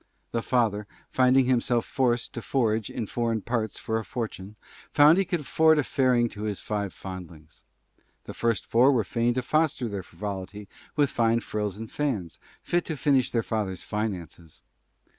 The Father, Finding himself Forced to Forage in Foreign parts For a Fortune, Found he could afford a Fairing to his Five Fondlings. The First Four were Fain to Foster their Frivolity with Fine Frills and Fans, Fit to Finish their Father's Finances.